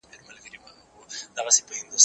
زه پرون ليکلي پاڼي ترتيب کوم؟